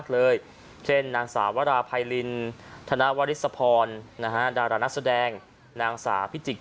ก็คืกคักไม่แพ้กัก